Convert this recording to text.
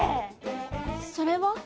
それは？